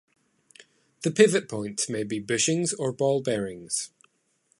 The pivot points may be bushings or ball bearings.